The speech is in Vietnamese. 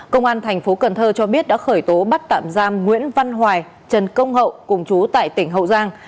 công an tp cn cho biết đã khởi tố bắt tạm giam nguyễn văn hoài trần công hậu cùng chú tại tỉnh hậu giang